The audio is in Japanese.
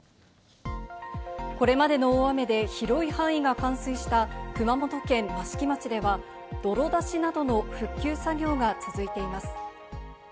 これまでの大雨で広い範囲が冠水した熊本県益城町では泥出しなどの復旧作業が続いています。